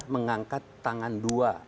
mengangkat tangan dua